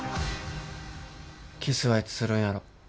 キスはいつするんやろ。